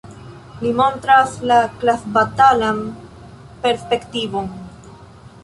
Li montras la klasbatalan perspektivon.